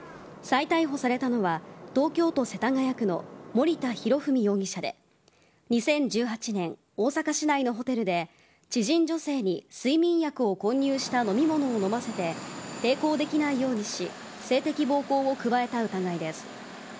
再逮捕されたのは東京都世田谷区の森田浩史容疑者で２０１８年大阪市内のホテルで知人女性に睡眠薬を混入した飲み物を飲ませて抵抗できないようにし性的暴行を加えた疑いです。